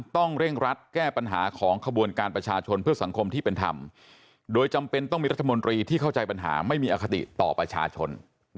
ต้องเร่งรัดแก้ปัญหาของขบวนการประชาชนเพื่อสังคมที่เป็นธรรมโดยจำเป็นต้องมีรัฐมนตรีที่เข้าใจปัญหาไม่มีอคติต่อประชาชน